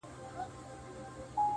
ویل ژر سه مُلا پورته سه کښتۍ ته،